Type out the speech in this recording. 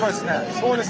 そうですね。